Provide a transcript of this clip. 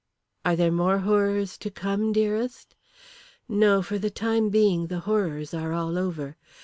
"Are there more horrors to come, dearest?" "No, for the time being the horrors are all over.